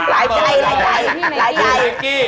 หลายใจนี่เหมือนกี้